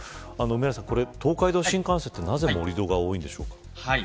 東海道新幹線はなぜ盛り土が多いんでしょうか。